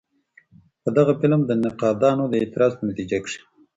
په غه فلم د نقادانو د اعتراض په نتيجه کښې